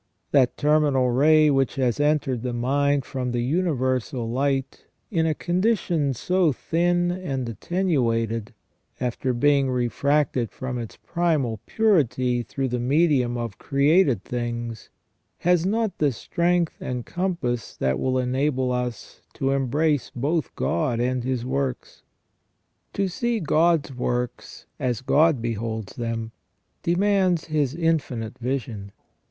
That terminal ray which has entered the mind from the universal light in a condition so thin and attenuated, after being refracted from its primal purity through the medium of created things, has not the strength and compass that will enable us to embrace both God and His works. To see God's works as God beholds them demands His infinite vision.